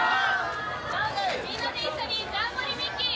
みんなで一緒にジャンボリミッキー！